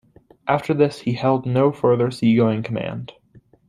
After this he held no further seagoing command.